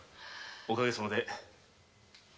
おかげさまで。